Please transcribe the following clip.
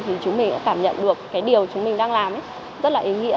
thì chúng mình cũng cảm nhận được cái điều chúng mình đang làm rất là ý nghĩa